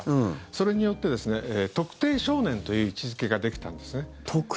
それによって特定少年という位置付けができたんですね。